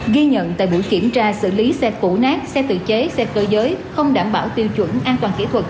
ghi nhận tại buổi kiểm tra xử lý xe phụ nát xe tự chế xe cơ giới không đảm bảo tiêu chuẩn an toàn kỹ thuật